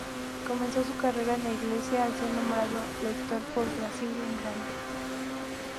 Comenzó su carrera en la Iglesia, al ser nombrado lector por Basilio el Grande.